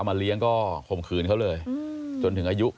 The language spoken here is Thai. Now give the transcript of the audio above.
เอามาเลี้ยงก็คงคืนเขาเลยจนถึงอายุ๑๗